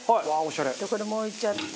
これも置いちゃって。